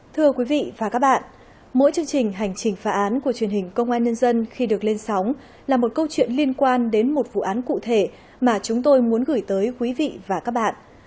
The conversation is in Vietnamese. thưa quý vị và các bạn mỗi chương trình hành trình phá án của truyền hình công an nhân dân khi được lên sóng là một câu chuyện liên quan đến một vụ án cụ thể mà chúng tôi muốn gửi tới quý vị và các bạn